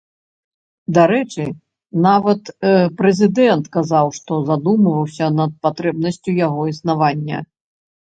Дарэчы, нават прэзідэнт казаў, што задумваўся над патрэбнасцю яго існавання.